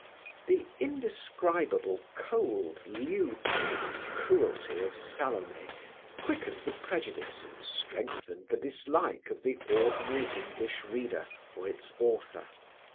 The indescribable cold lewdness and cruelty of "Salome" quickened the prejudice and strengthened the dislike of the ordinary English reader for its author.